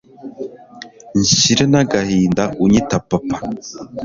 nshire n'agahinda unyita papa